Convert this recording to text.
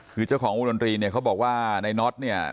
คือเจ้าของวงดนตรีเนี่ยเขาบอกว่าในน็อตเนี่ย